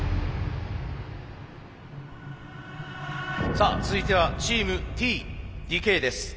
さあ続いてはチームＴ・ＤＫです。